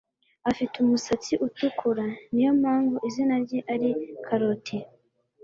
Afite umusatsi utukura. Niyo mpamvu izina rye ari Karoti.